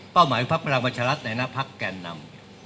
เป้าหมายภักดิ์พลักษณ์พลังวัชรัฐในหน้าภักดิ์แก่นำ